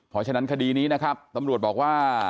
เพราะฉะนั้นคดีนี้นะครับตำรวจบอกว่า